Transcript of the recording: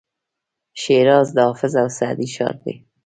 شیراز د حافظ او سعدي ښار دی.